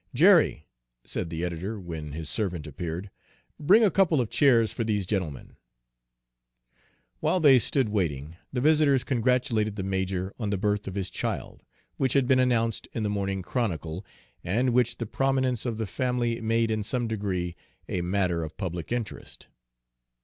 "Jerry," said the editor when his servant appeared, "bring a couple of chairs for these gentlemen." While they stood waiting, the visitors congratulated the major on the birth of his child, which had been announced in the Morning Chronicle, and which the prominence of the family made in some degree a matter of public interest.